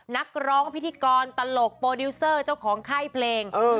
นักร้องพิธีกรตลกโปรดิวเซอร์เจ้าของค่ายเพลง